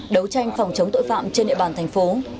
đấu tranh phòng chống tội phạm trên địa bàn thành phố